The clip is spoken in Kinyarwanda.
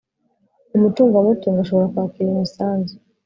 umucungamutungo ashobora kwakira imisanzu